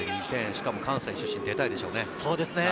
しかも関西出身で出たいでしょうね。